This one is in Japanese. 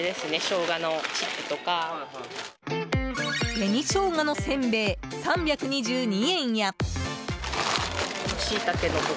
紅ショウガのせんべい３２２円や。